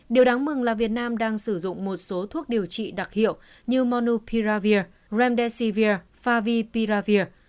điều đáng mừng là việt nam đang sử dụng một số thuốc điều trị đặc hiệu như monopiravir remdesivir favipiravir